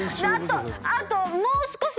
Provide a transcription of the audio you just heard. あともう少し！